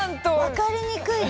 分かりにくいな。